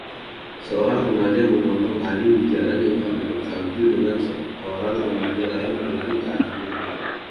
Seorang remaja memotong kayu di jalan yang tertutup salju dengan seorang remaja lain berlari ke arahnya.